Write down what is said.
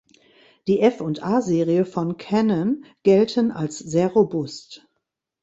Die F- und A-Serie von Canon gelten als sehr robust.